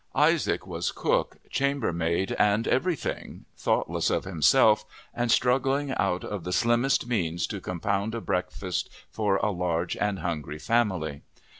Isaac was cook, chamber maid, and everything, thoughtless of himself, and struggling, out of the slimmest means, to compound a breakfast for a large and hungry family.